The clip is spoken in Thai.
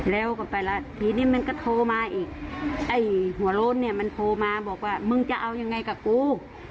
แล้วก็ไปแล้วทีนี้มันก็โทรมาอีกไอ้หัวโล้นเนี่ยมันโทรมาบอกว่ามึงจะเอายังไงกับกู